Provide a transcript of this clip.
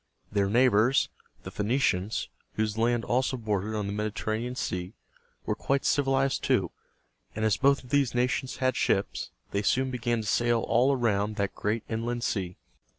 Their neighbors, the Phoe ni´ cians, whose land also bordered on the Mediterranean Sea, were quite civilized too; and as both of these nations had ships, they soon began to sail all around that great inland sea.